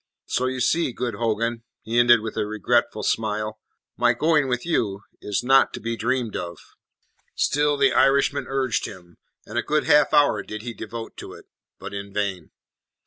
So you see, good Hogan," he ended with a regretful smile, "my going with you is not to be dreamed of." Still the Irishman urged him, and a good half hour did he devote to it, but in vain.